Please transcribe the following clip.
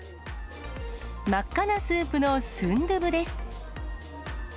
真っ赤なスープのスンドゥブです。